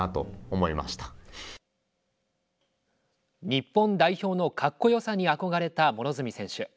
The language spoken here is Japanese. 日本代表の格好よさに憧れた両角選手。